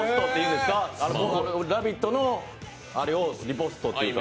「ラヴィット！」のあれをリポストというか。